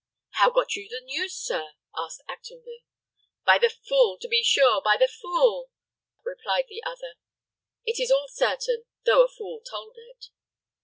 "How got you the news, sir?" asked Actonville. "By the fool, to be sure by the fool!" replied the other. "It is all certain; though a fool told it."